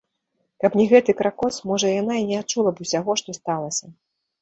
Каб не гэты кракос, можа яна і не адчула б усяго, што сталася.